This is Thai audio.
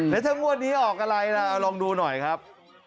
แล้วถ้างวดนี้ออกอะไรล่ะเอาลองดูหน่อยครับ